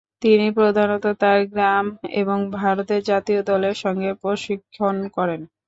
তিনি প্রধানত তার গ্রাম এবং ভারত জাতীয় দলের সঙ্গে প্রশিক্ষণ করেন।